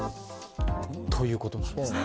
ということなんですね。